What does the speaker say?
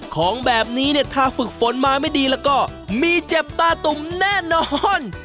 ของแบบนี้เนี่ยถ้าฝึกฝนมาไม่ดีแล้วก็มีเจ็บตาตุ่มแน่นอน